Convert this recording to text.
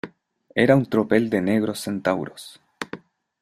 era un tropel de negros centauros.